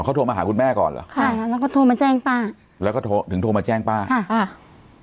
เขาโทรมาหาคุณแม่ก่อนเหรอใช่ค่ะแล้วก็โทรมาแจ้งป้าแล้วก็โทรถึงโทรมาแจ้งป้าค่ะอ่า